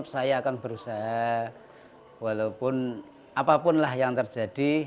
saya akan berusaha walaupun apapun lah yang terjadi